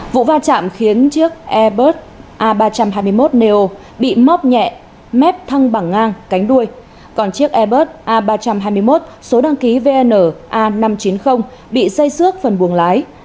vụ va chạm khiến chiếc airbus a ba trăm hai mươi một neo bị móc nhẹ mép thăng bằng ngang cánh đuôi còn chiếc airbus a ba trăm hai mươi một số đăng ký vn a năm trăm chín mươi bị xây xước phần buồng lái